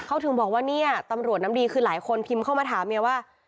เขาถึงบอกว่าเนี่ยตำรวจน้ำดีคือหลายคนพิมพ์เข้ามาถามเมียว่า